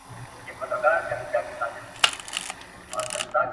o پر خواره مځکه هر واښه شين کېږي٫